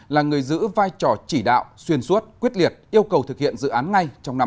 là người giữ vai trò chỉ đạo xuyên suốt quyết liệt yêu cầu thực hiện dự án ngay trong năm hai nghìn hai mươi